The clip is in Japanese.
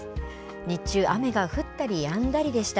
日中、雨が降ったりやんだりでした。